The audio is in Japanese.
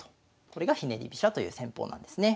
これがひねり飛車という戦法なんですね。